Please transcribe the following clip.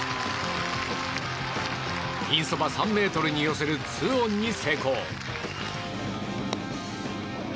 ピンそば３ｍに寄せる２オンに成功。